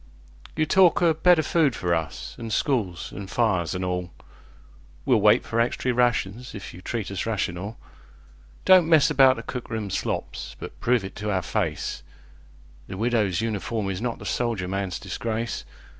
You talk o' better food for us, an' schools, an' fires, an' all:We'll wait for extry rations if you treat us rational. Don't mess about the cook room slops, but prove it to our faceThe Widow's Uniform is not the soldier man's disgrace.